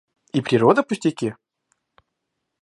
И природа пустяки?